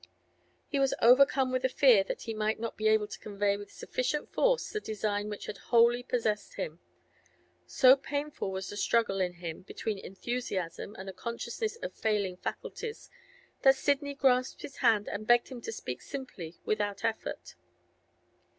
He was overcome with a fear that he might not be able to convey with sufficient force the design which had wholly possessed him. So painful was the struggle in him between enthusiasm and a consciousness of failing faculties, that Sidney grasped his hand and begged him to speak simply, without effort.